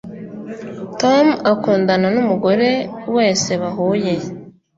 Tom akundana numugore wese bahuye